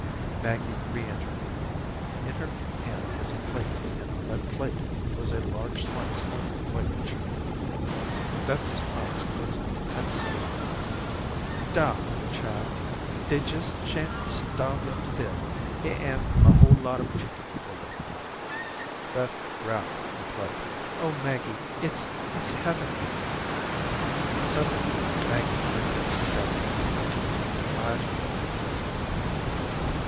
Maggie re entered the room. In her hand was a plate, and on that plate was a large slice of white chicken meat. Beth's eyes glistened at sight of it. "Dar, honey chile, dey jes' shan't starve yo' to death. Here am a whole lot ob chicken for yo'." Beth grabbed the plate. "Oh, Maggie, it's it's heavenly." Suddenly, Maggie heard Mrs. Davenport approaching. Her eyes rolled tragically.